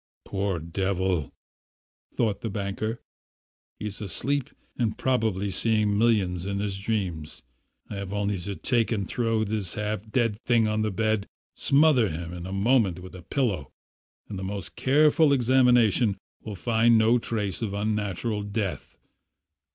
"Poor devil," thought the banker, "he's asleep and probably seeing millions in his dreams. I have only to take and throw this half dead thing on the bed, smother him a moment with the pillow, and the most careful examination will find no trace of unnatural death.